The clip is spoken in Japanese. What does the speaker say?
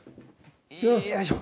よいしょ。